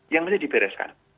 yang mesti dibereskan